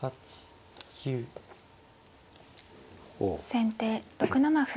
先手６七歩。